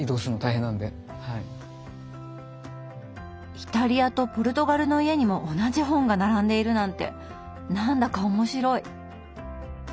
イタリアとポルトガルの家にも同じ本が並んでいるなんて何だか面白い。